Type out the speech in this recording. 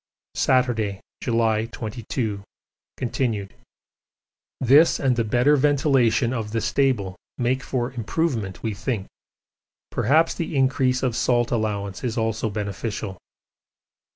Saturday, July 22, continued. This and the better ventilation of the stable make for improvement we think perhaps the increase of salt allowance is also beneficial.